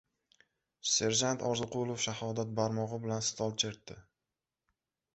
Serjant Orziqulov shahodat barmog‘i bilan stol chertdi.